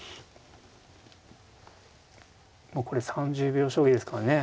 もうこれ３０秒将棋ですからね。